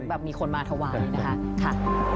แบบมีคนมาถวายนะคะค่ะ